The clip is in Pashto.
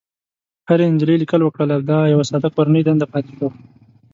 هرې نجلۍ ليکل وکړل او دا يوه ساده کورنۍ دنده پاتې شوه.